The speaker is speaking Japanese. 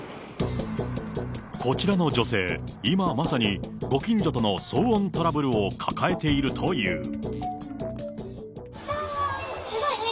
こちらの女性、今まさに、ご近所との騒音トラブルを抱えているという。